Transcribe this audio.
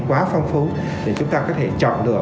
quá phong phú để chúng ta có thể chọn được